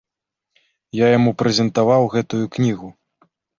Я яму прэзентаваў гэтую кнігу.